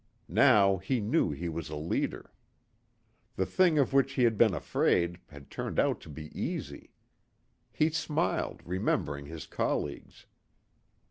Now he knew he was a leader. The thing of which he had been afraid had turned out to be easy. He smiled, remembering his colleagues.